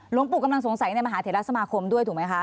หลวงปู่กำลังสงสัยในมหาเทราสมาคมด้วยถูกไหมคะ